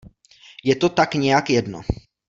Je to tak nějak jedno.